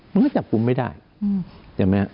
มันก็จับกลุ่มไม่ได้ใช่ไหมครับ